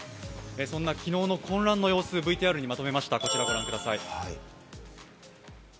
そんな昨日の混乱の様子、ＶＴＲにまとめました。